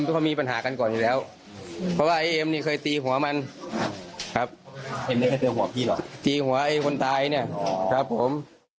ตีหัวไอ้คนตายเนี่ยครับผม